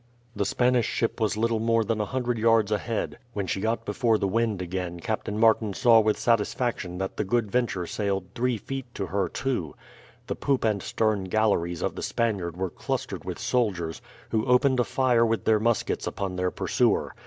The Spanish ship was little more than a hundred yards ahead. When she got before the wind again Captain Martin saw with satisfaction that the Good Venture sailed three feet to her two. The poop and stern galleries of the Spaniard were clustered with soldiers, who opened a fire with their muskets upon their pursuer.